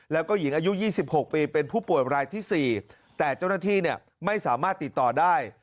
แล้วก็หญิงอายุ๒๖ปีเป็นผู้ป่วยรายที่๔แต่เจ้าหน้าที่ไม่สามารถติดต่อได้